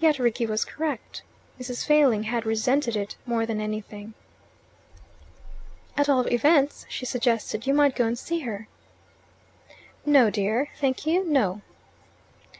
Yet Rickie was correct: Mrs. Failing had resented it more than anything. "At all events," she suggested, "you might go and see her." "No, dear. Thank you, no."